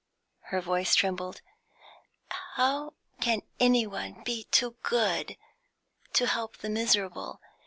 Her voice trembled. "How can any one be too good to help the miserable?